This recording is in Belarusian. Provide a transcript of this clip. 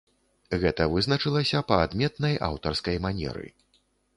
Гэта вызначылася па адметнай аўтарскай манеры.